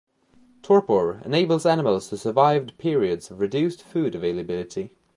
Torpor enables animals to survive periods of reduced food availability.